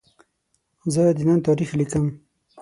زه د نن تاریخ لیکم.